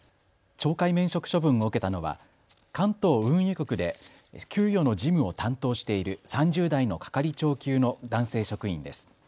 懲戒免職処分を受けたのは関東運輸局で給与の事務を担当している３０代の係長級の男性職員です。